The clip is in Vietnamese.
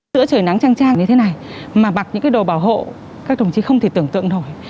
giữa trời nắng trang trang như thế này mà mặc những cái đồ bảo hộ các đồng chí không thể tưởng tượng nổi